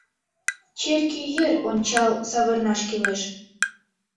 — Черке йыр ончал савырнаш кӱлеш.